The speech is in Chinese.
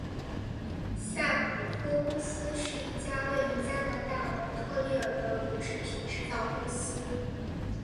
萨普托公司是一家位于加拿大蒙特利尔的乳制品制造公司。